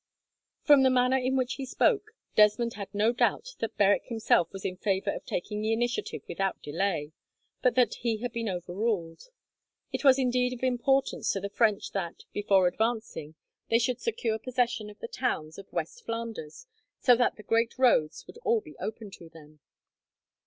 From the manner in which he spoke, Desmond had no doubt that Berwick himself was in favour of taking the initiative without delay, but that he had been overruled. It was indeed of importance to the French that, before advancing, they should secure possession of the towns of west Flanders, so that the great roads would all be open to them.